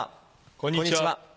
こんにちは。